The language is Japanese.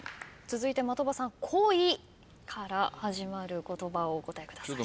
続いて的場さん「こい」から始まる言葉をお答えください。